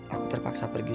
aku terpaksa pergi sekali